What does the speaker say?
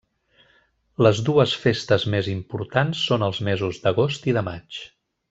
Les dues festes més importants són als mesos d'agost i de maig.